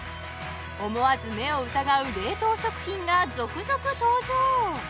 思わず目を疑う冷凍食品が続々登場！